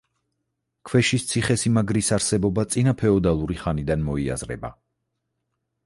ქვეშის ციხესიმაგრის არსებობა წინაფეოდალური ხანიდან მოიაზრება.